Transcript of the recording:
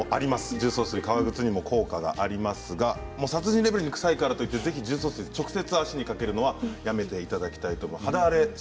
重曹水は革靴にも効果がありますが殺人レベルに臭いからといって重曹水を直接、足にかけるのはやめていただきたいです。